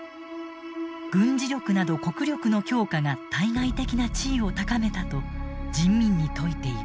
軍事力など国力の強化が対外的な地位を高めたと人民に説いている。